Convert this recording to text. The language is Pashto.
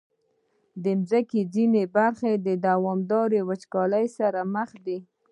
د مځکې ځینې برخې د دوامداره وچکالۍ سره مخ دي.